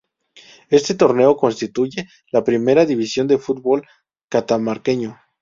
Este torneo constituye la primera división del fútbol catamarqueño.